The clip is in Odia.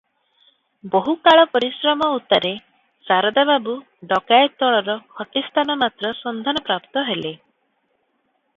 ବହୁକାଳ ପରିଶ୍ରମ ଉତ୍ତାରେ ଶାରଦା ବାବୁ ଡକାଏତ ଦଳର ଖଟି ସ୍ଥାନ ମାତ୍ର ସନ୍ଧାନ ପ୍ରାପ୍ତ ହେଲେ ।